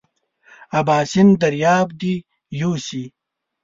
اباسین دریاب دې یوسي.